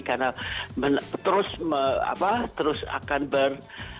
karena terus akan ber